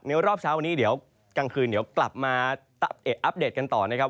รอบเช้าวันนี้เดี๋ยวกลางคืนเดี๋ยวกลับมาอัปเดตกันต่อนะครับ